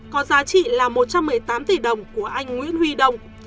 có giá trị là một trăm một mươi tám tỷ đồng của anh nguyễn huy đông